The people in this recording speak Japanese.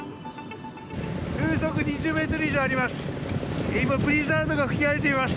風速２０メートル以上あります。